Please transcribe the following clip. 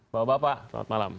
bapak bapak selamat malam